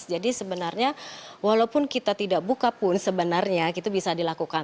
jadi sebenarnya walaupun kita tidak buka pun sebenarnya itu bisa dilakukan